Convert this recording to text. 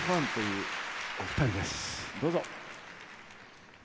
どうぞ。